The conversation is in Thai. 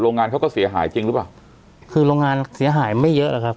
งานเขาก็เสียหายจริงหรือเปล่าคือโรงงานเสียหายไม่เยอะหรอกครับ